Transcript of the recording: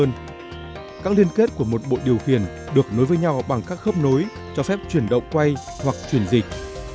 cánh tay robot là một loại cánh tay của một bộ điều khiển được nối với nhau bằng các khớp nối cho phép chuyển động quay hoặc chuyển dịch